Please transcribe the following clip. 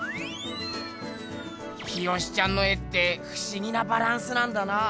清ちゃんの絵ってふしぎなバランスなんだな。